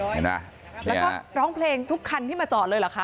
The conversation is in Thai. เห็นไหมแล้วก็ร้องเพลงทุกคันที่มาจอดเลยเหรอคะ